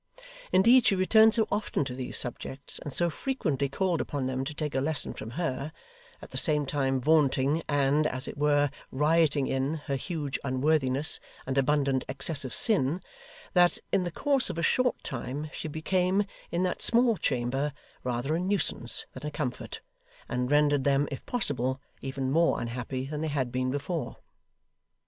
Indeed, she returned so often to these subjects, and so frequently called upon them to take a lesson from her, at the same time vaunting and, as it were, rioting in, her huge unworthiness, and abundant excess of sin, that, in the course of a short time, she became, in that small chamber, rather a nuisance than a comfort, and rendered them, if possible, even more unhappy than they had been before.